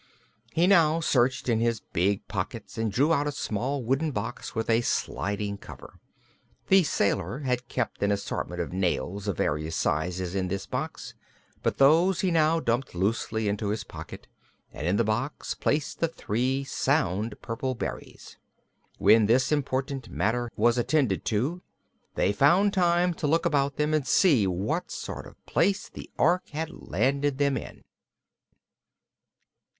He now searched in his big pockets and drew out a small wooden box with a sliding cover. The sailor had kept an assortment of nails, of various sizes, in this box, but those he now dumped loosely into his pocket and in the box placed the three sound purple berries. When this important matter was attended to they found time to look about them and see what sort of place the Ork had landed them in.